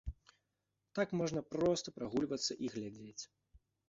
Там можна проста прагульвацца і глядзець.